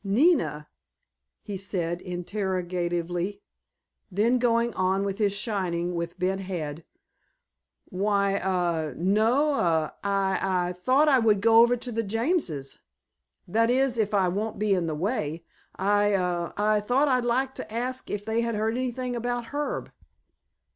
"Nina?" he said interrogatively, then going on with his shining with bent head. "Why—a—no, I—I thought I would go over to the Jameses—that is if I won't be in the way. I—a—I thought I'd like to ask if they had heard anything about Herb."